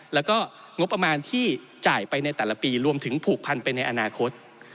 แล้วก็งบประมาณที่จ่ายไปในแต่ละปีรวมถึงผูกพันไปในอนาคต